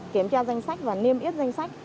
kiểm tra danh sách và niêm yết danh sách